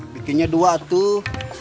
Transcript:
bikinnya dua tuh